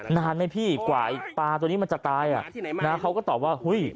นานไหมพี่กว่าไอ้ปลาตัวนี้มันจะตายอ่ะนะเขาก็ตอบว่าเฮ้ย